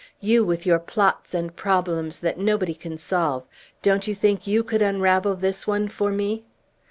"You, with your plots and your problems that nobody can solve; don't you think you could unravel this one for me?"